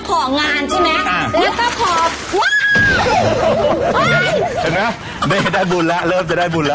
เห็นไหมเด๊ได้บุญละเริ่มจะได้บุญละ